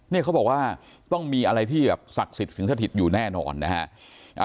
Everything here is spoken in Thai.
เนี่ยเขาบอกว่าต้องมีอะไรที่แบบศักดิ์สิทธิสิงสถิตอยู่แน่นอนนะฮะ